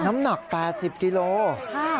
น้ำหนัก๘๐กิโลกรัม